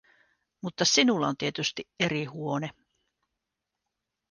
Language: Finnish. Mutta sinulla on tietysti eri huone.